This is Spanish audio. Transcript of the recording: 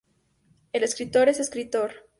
El escritor es escritor.